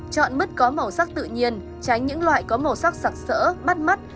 chọn mứt có màu sắc tự nhiên tránh những loại có màu sắc sạc sỡ bắt mắt